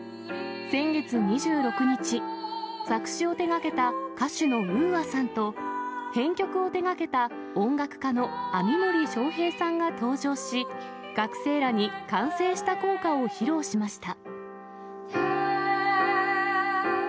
先月２６日、作詞を手がけた歌手のＵＡさんと編曲を手がけた音楽家の網守将平さんが登場し、学生らに完成した校歌を披露しました。